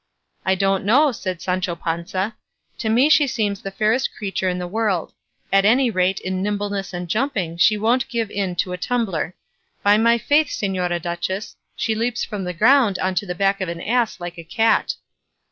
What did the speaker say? "I don't know," said Sancho Panza; "to me she seems the fairest creature in the world; at any rate, in nimbleness and jumping she won't give in to a tumbler; by my faith, señora duchess, she leaps from the ground on to the back of an ass like a cat."